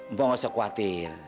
mpok gak usah khawatir